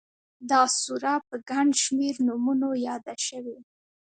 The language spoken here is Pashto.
دا سوره په گڼ شمېر نومونو ياده شوې